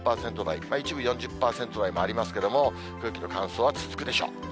３０％台、一部４０％台もありますけれども、空気の乾燥は続くでしょう。